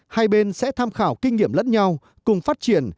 hai bên sẽ tham khảo kinh nghiệm lẫn nhau cùng phát triển